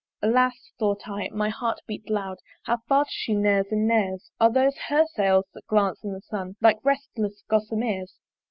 Alas! (thought I, and my heart beat loud) How fast she neres and neres! Are those her Sails that glance in the Sun Like restless gossameres?